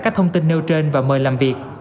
các thông tin nêu trên và mời làm việc